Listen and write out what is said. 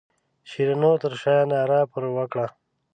شیرینو تر شایه ناره پر وکړه.